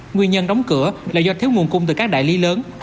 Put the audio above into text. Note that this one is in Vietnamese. nguyên nhân đóng cửa là do thiếu nguồn cung từ các đại lý lớn